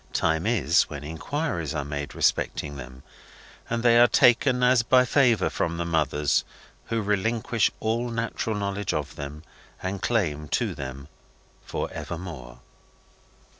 Time is, when inquiries are made respecting them, and they are taken as by favour from the mothers who relinquish all natural knowledge of them and claim to them for evermore.